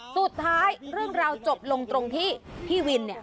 สุดท้ายเรื่องราวจบลงตรงที่พี่วิน